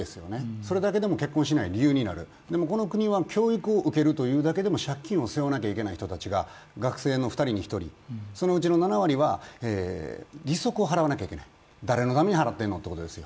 それだけでも結婚しない理由になるでもこの国は教育を受けるというだけでも借金を背負わなければいけない人が学生の２人に１人、そのうちの７割は利息を払わなきゃいけない誰のために払ってんのということですよ。